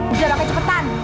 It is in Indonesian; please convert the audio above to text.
udah pakai cepetan